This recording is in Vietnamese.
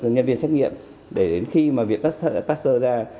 nhân viên xét nghiệm để đến khi viện pasteur ra